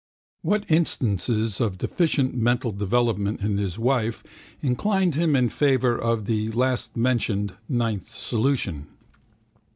What instances of deficient mental development in his wife inclined him in favour of the lastmentioned (ninth) solution?